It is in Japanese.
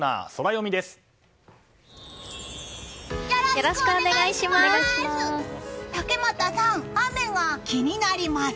よろしくお願いします！